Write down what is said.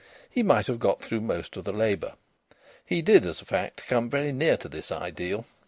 he might have got through most of the labour. He did, as a fact, come very near to this ideal.